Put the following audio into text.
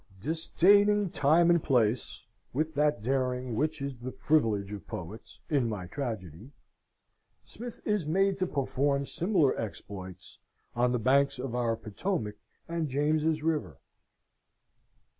Disdaining time and place (with that daring which is the privilege of poets) in my tragedy, Smith is made to perform similar exploits on the banks of our Potomac and James's river.